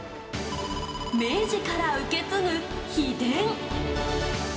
明治から受け継ぐ秘伝。